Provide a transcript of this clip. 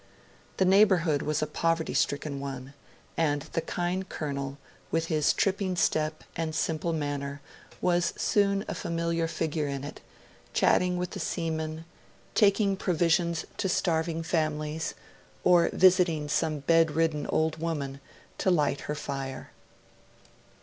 The neighbourhood was a poverty stricken one, and the kind Colonel, with his tripping step and simple manner, was soon a familiar figure in it, chatting with the seamen, taking provisions to starving families, or visiting some bedridden old woman to light her fire.